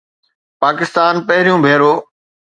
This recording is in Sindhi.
پاڪستان پهريون ڀيرو